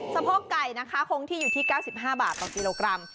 สะโพกไก่นะคะคงที่อยู่ที่๙๕บาทต่อกิโลกรัม